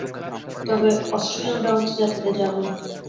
তবে অষ্ট্রীয়ানরা হচ্ছে জাতিতে জার্মান।